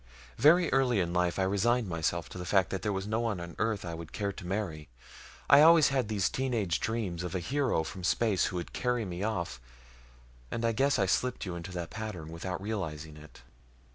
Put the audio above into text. Very early in life I resigned myself to the fact that there was no one on Earth I would care to marry. I always had these teen age dreams of a hero from space who would carry me off, and I guess I slipped you into the pattern without realizing it.